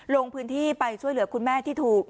ลงพื้นที่ไปช่วยเหลือคุณแม่ที่ถูก